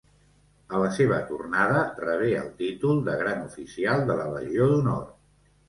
A la seva tornada, rebé el títol de Gran Oficial de la Legió d'Honor.